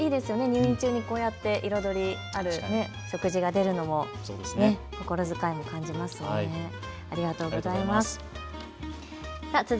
入院中にこうやって彩りある食事が出るのもいいですね。